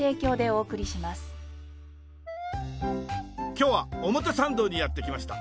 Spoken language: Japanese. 今日は表参道にやって来ました。